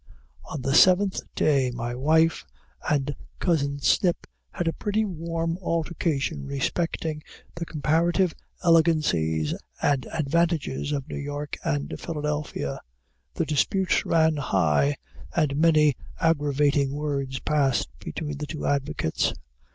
On the seventh day my wife and cousin Snip had a pretty warm altercation respecting the comparative elegancies and advantages of New York and Philadelphia. The dispute ran high, and many aggravating words past between the two advocates.